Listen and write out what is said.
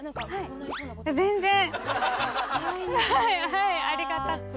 はいありがたく。